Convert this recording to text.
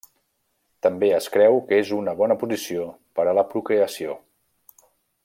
També es creu que és una bona posició per a la procreació.